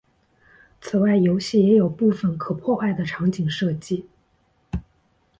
此外游戏也有部分可破坏的场景设计。